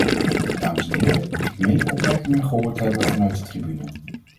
Dames en heren, ik meen opmerkingen gehoord te hebben vanuit de tribune.